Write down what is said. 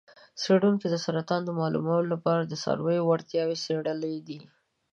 څیړونکو د سرطان د معلومولو لپاره د څارویو وړتیاوې څیړلې دي.